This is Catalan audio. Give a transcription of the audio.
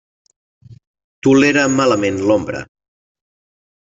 Tolera malament l'ombra.